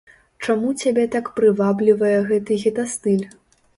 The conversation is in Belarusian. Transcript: Чаму цябе так прываблівае гэты гета-стыль?